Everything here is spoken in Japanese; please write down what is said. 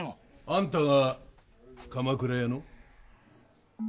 あんたが鎌倉屋の？